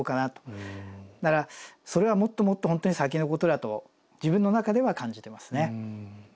だからそれはもっともっと本当に先のことだと自分の中では感じてますね。